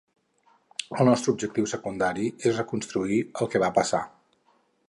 El nostre objectiu secundari és reconstruir el que va passar.